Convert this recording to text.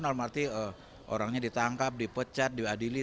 dalam arti orangnya ditangkap dipecat diadili